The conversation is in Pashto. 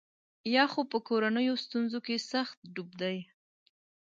یا خو په کورنیو ستونزو کې سخت ډوب دی.